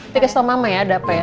tiket selama mama ya ada apa ya